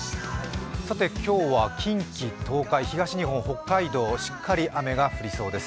今日は近畿、東海、東日本、北海道、しっかり雨が降りそうです。